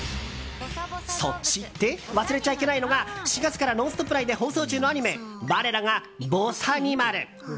そして、忘れちゃいけないのが４月から「ノンストップ！」内で放送中のアニメ我らが「ぼさにまる」！